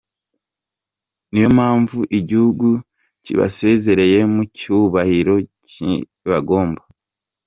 Ni yo mpamvu Igihugu kibasezereye mu cyubahiro kibagomba.